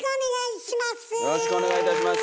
よろしくお願いします！